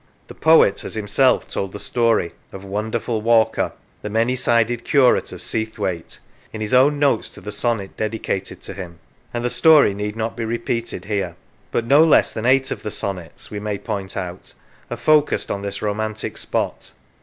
The poet has himself told the story of " Wonderful Walker," the many sided curate of Seathwaite, in his own notes to the sonnet dedicated to him, and the story need not be repeated here; but no less than eight of the sonnets, we may point out, are focussed on this romantic spot.